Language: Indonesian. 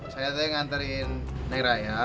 saya tadi nganterin raya